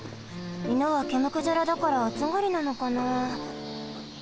いぬはけむくじゃらだからあつがりなのかなあ？